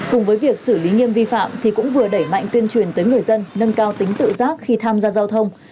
cùng với việc xử lý nghiêm vi phạm thì cũng vừa đẩy mạnh tuyên truyền tới người dân nâng cao tính tự giác khi tham gia giao thông